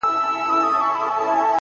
• زه به ژوندی یم بهار به راسي ,